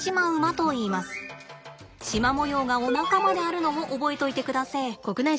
シマ模様がおなかまであるのを覚えといてくだせぇ。